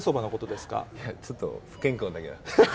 ちょっと不健康だけど。